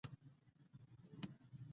په کومه طريقه چې ترسره کېږي ورسره مخالف وي.